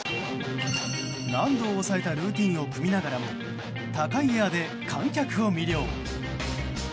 難度を抑えたルーティンを組みながらも高いエアで観客を魅了。